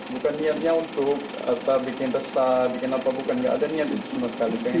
bukan niatnya untuk bikin resah bukan ada niat itu sekali